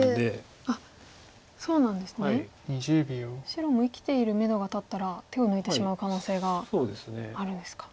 白も生きているめどが立ったら手を抜いてしまう可能性があるんですか。